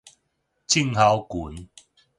症候群